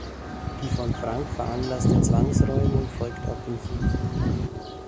Die von Frank veranlasste Zwangsräumung folgt auf den Fuß.